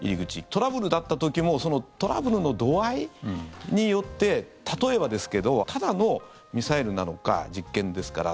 トラブルだった時もそのトラブルの度合いによって例えばですけどただのミサイルなのか実験ですから。